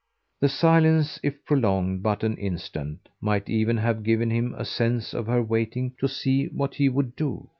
The silence, if prolonged but an instant, might even have given him a sense of her waiting to see what he would do.